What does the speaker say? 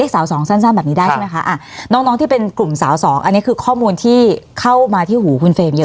สาวสองสั้นแบบนี้ได้ใช่ไหมคะน้องที่เป็นกลุ่มสาวสองอันนี้คือข้อมูลที่เข้ามาที่หูคุณเฟรมเยอะ